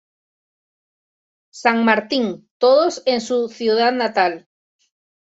San Martín, todos en su ciudad natal.